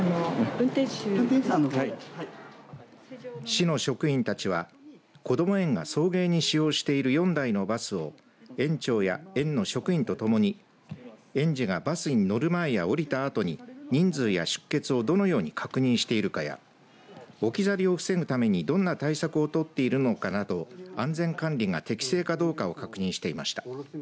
市の職員たちはこども園が送迎に使用している４台のバスを園長や園の職員とともに園児がバスに乗る前や降りたあとに人数や出欠をどのように確認しているかや置き去りを防ぐためにどんな対策をとっているのかなど安全管理が適正かどうかを確認していました。